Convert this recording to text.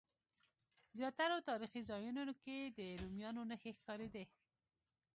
زیاترو تاریخي ځایونو کې د رومیانو نښې ښکارېدې.